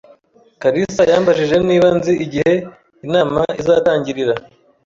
kalisa yambajije niba nzi igihe inama izatangirira.